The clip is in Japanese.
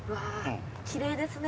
きれいですね。